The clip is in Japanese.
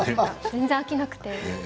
全然飽きなくて。